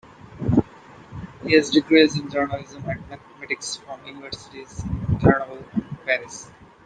He has degrees in journalism and mathematics from universities in Grenoble and Paris.